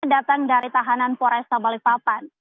datang dari tahanan poresta balikpapan